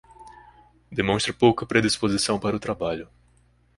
Demonstra pouca predisposição para o trabalho.